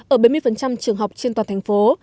ở bảy mươi trường học trên toàn thành phố